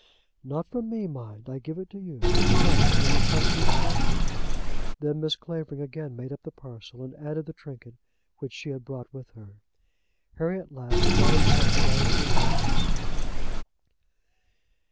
"Not from me, mind. I give it to you. Come; will you trust me to pack them?" Then Mrs. Clavering again made up the parcel, and added the trinket which she had brought with her. Harry at last brought himself to write a few words.